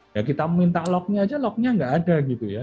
ya kita minta log nya aja log nya nggak ada gitu ya